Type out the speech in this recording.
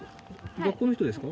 学校の人ですか？